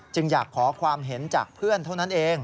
อยากขอความเห็นจากเพื่อนเท่านั้นเอง